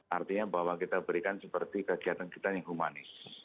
artinya bahwa kita berikan seperti kegiatan kita yang humanis